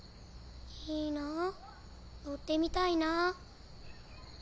いいな乗ってみたいな。